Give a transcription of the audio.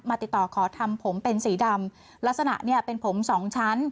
ติดต่อขอทำผมเป็นสีดำลักษณะเนี่ยเป็นผมสองชั้น